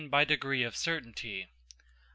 degree of certainty. 5.